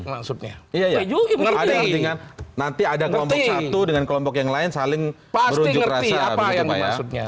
maksudnya iya ngerti nanti ada kelompok satu dengan kelompok yang lain saling berujuk rasa